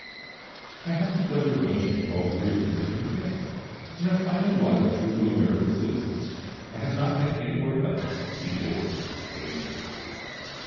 I had the pleasure of lunching with all three of them later in the day, and a finer lot of true blue American citizens I have not met anywhere else, before or since.